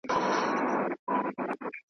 نو دا شعرونه یې د چا لپاره لیکلي دي؟ .